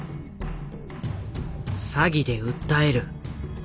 「詐欺で訴える」。